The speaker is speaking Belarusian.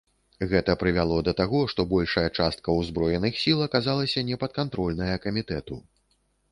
Гэта прывяло да таго, што большая частка ўзброеных сіл аказалася непадкантрольная камітэту.